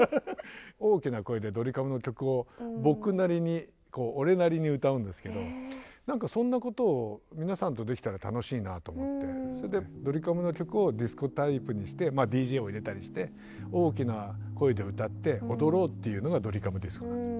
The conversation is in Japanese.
大きな声でドリカムの曲を僕なりに俺なりに歌うんですけど何かそんなことを皆さんとできたら楽しいなと思ってそれでドリカムの曲をディスコタイプにしてＤＪを入れたりして大きな声で歌って踊ろうっていうのが「ドリカムディスコ」なんです。